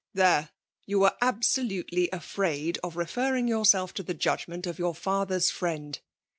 *" There ! you were absolutely afraid of re ferring yoiurself to the judgment of your father s friend